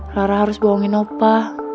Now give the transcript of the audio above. rar harus bohongin opa